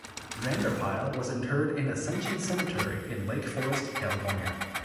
Vander Pyl was interred in Ascension Cemetery in Lake Forest, California.